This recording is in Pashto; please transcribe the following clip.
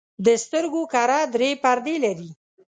د سترګو کره درې پردې لري.